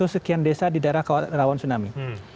sekian desa di daerah rawan tsunami